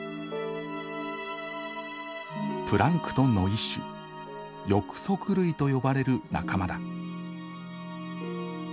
プランクトンの一種翼足類と呼ばれる仲間だ。